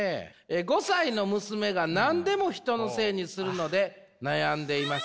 「５歳の娘が何でも人のせいにするので悩んでいます。